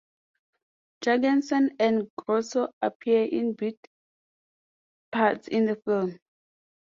Jurgenson and Grosso appear in bit parts in the film.